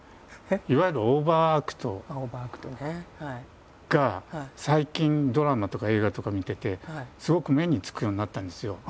いわゆるオーバーアクトが最近ドラマとか映画とか見ててすごく目につくようになったんですよ。